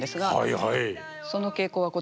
はい。